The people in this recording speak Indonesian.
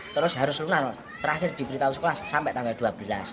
terus harus lunal terakhir diberitahu sekolah sampai tanggal dua belas